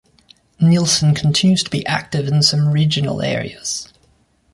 Nielsen continues to be active in some regional areas.